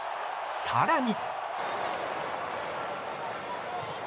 更に。